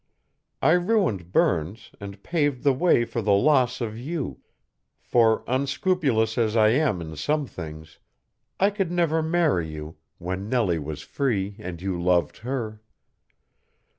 I ruined Burns and paved the way for the loss of you, for, unscrupulous as I am in some things, I could never marry you when Nellie was free and you loved her.